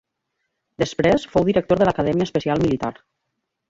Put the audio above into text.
Després fou director de l'Acadèmia Especial Militar.